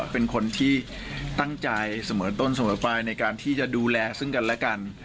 เป็นคนที่ตั้งใจเสมอต้นเสมอปลายในการที่จะดูแลซึ่งกันและกัน